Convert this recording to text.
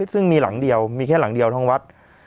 ซึ่งมีหลังเดียวมีแค่หลังเดียวทั้งวัด